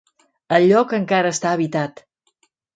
El lloc encara està habitat.